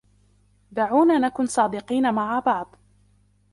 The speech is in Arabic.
دعونا نكون صادقين معَ بعض.